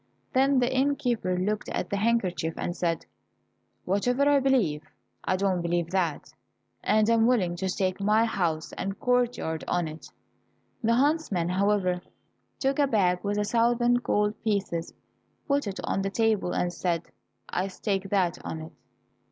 Then the innkeeper looked at the handkerchief, and said, "Whatever I believe, I do not believe that, and I am willing to stake my house and courtyard on it." The huntsman, however, took a bag with a thousand gold pieces, put it on the table, and said, "I stake that on it."